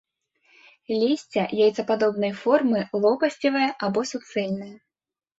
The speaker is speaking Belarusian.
Лісце яйцападобнай формы, лопасцевае або суцэльнае.